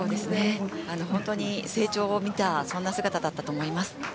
本当に成長を見たそんな姿だったと思います。